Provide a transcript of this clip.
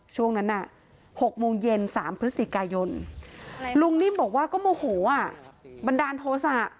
ช่วงนั้นน่ะ๖โมงเย็น๓พฤศจิกายนลุงนิ่มบอกว่าก็โมโหบันดาลโทษะ